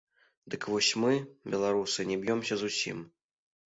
Дык вось, мы, беларусы, не б'ёмся зусім.